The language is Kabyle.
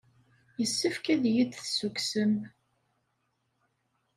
Yessefk ad iyi-d-tessukksem.